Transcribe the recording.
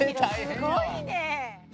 すごいね！」